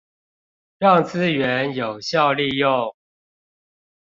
讓資源有效利用